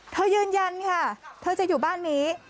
ยืนยันค่ะเธอจะอยู่บ้านนี้